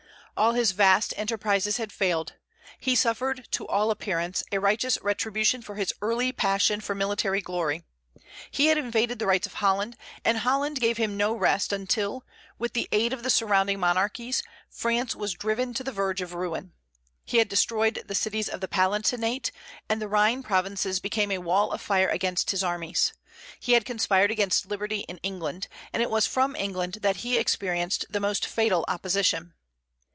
All his vast enterprises had failed. He suffered, to all appearance, a righteous retribution for his early passion for military glory. "He had invaded the rights of Holland; and Holland gave him no rest until, with the aid of the surrounding monarchies, France was driven to the verge of ruin. He had destroyed the cities of the Palatinate; and the Rhine provinces became a wall of fire against his armies. He had conspired against liberty in England; and it was from England that he experienced the most fatal opposition."